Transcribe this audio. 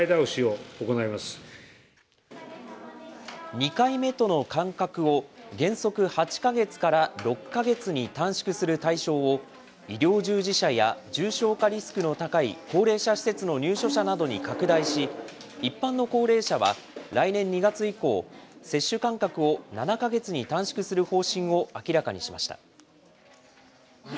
２回目との間隔を原則８か月から６か月に短縮する対象を、医療従事者や重症化リスクの高い高齢者施設の入所者などに拡大し、一般の高齢者は来年２月以降、接種間隔を７か月に短縮する方針を明らかにしました。